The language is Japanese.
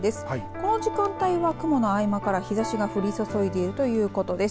この時間帯は雲の合間から日ざしが降りそそいでいるということです。